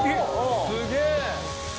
すげえ！